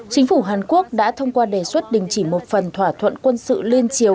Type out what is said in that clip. chính phủ hàn quốc đã thông qua đề xuất đình chỉ một phần thỏa thuận quân sự liên triều